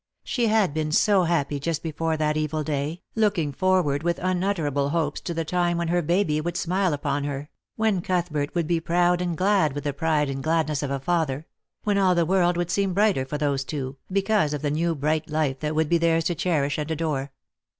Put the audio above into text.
She had been so happy just before that evil day, looking forward with unutterable hopes to the time when her baby would smile upon her — when Outhbert would be proud and glad with the pride and gladness of a father — when all the world would seem brighter for those two, because of the new bright life that would be theirs to cherish and adore.